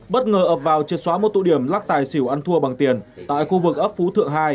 bất ngờ ập vào triệt xóa một tụ điểm lắc tài xỉu ăn thua bằng tiền tại khu vực ấp phú thượng hai